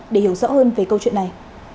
để hiểu rõ hơn về câu chuyện này